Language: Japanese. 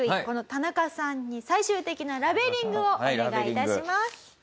このタナカさんに最終的なラベリングをお願い致します。